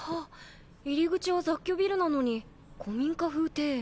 入り口は雑居ビルなのに古民家風庭園。